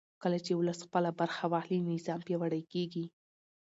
کله چې ولس خپله برخه واخلي نظام پیاوړی کېږي